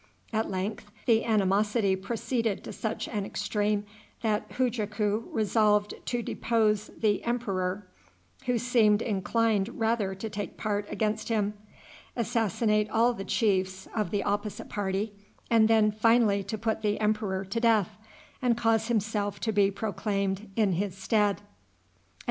At length the animosity proceeded to such an extreme that Hujaku resolved to depose the emperor, who seemed inclined rather to take part against him, assassinate all the chiefs of the opposite party, and then finally to put the emperor to death, and cause himself to be proclaimed in his stead.